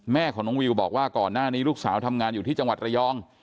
แม่ของน้องวิวบอกว่าก่อนหน้านี้ลูกสาวทำงานอยู่ที่จังหวัดระยอง